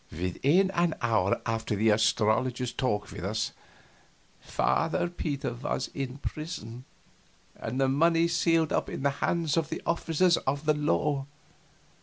Within an hour after the astrologer's talk with us, Father Peter was in prison and the money sealed up and in the hands of the officers of the law.